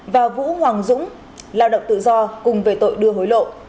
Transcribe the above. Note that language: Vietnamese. và vũ hoàng dũng lao động tự do cùng về tội đưa hối lộ